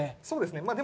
そうですね。